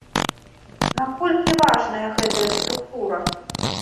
Наколькі важная гэтая структура?